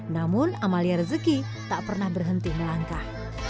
namun amalia rezeki tak pernah berhenti melangkah